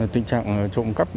tình trạng trộm cắp